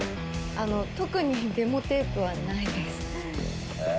あの、特にデモテープはないえー。